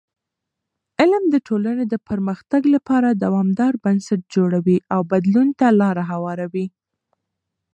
علم د ټولنې د پرمختګ لپاره دوامدار بنسټ جوړوي او بدلون ته لاره هواروي.